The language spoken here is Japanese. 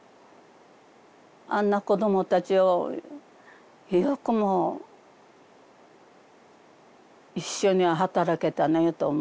あんな子どもたちをよくも一緒に働けたねと思う。